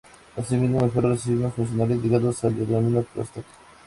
Así mismo, mejora los signos funcionales ligados al adenoma prostático.